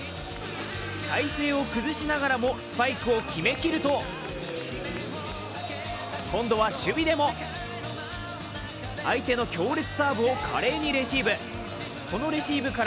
体勢を崩しながらもスパイクを決めきると、今度は守備でも。相手の強烈サーブを華麗にレシーブ。